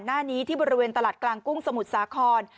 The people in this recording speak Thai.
หน้านี้ที่บริเวณตลาดกลางกุ้งสมุทรสาคร